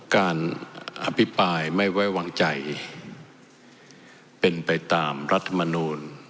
การอภิปรายไม่ไว้วางใจเป็นไปตามรัฐมนูล